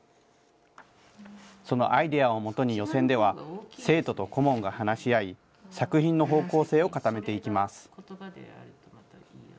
そのアイデアをもとに予選では、生徒と顧問が話し合い、作品の方向性を固めていきます。